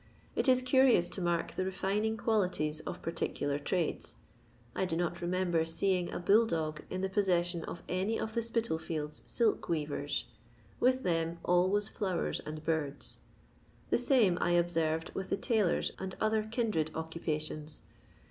It is curious to mark the refining qualities of parti cular trades. I do not remember seeing a bull dog in the possession of any of the Spitalfields silk weavers : with them all was flowers and birds. The same I observed with the tailors and other kindred occupations.